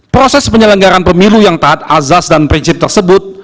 proses penyelenggaran pemilu yang taat azas dan prinsip tersebut